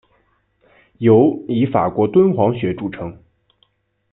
尤以法国敦煌学着称。